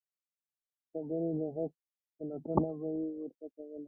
د خبرې د حق پلټنه به یې ورته کوله.